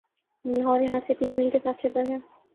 لاہور یہاں سے تین میل کے فاصلے پر ہے